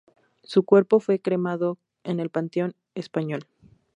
Su cuerpo fue cremado en el Panteón Español.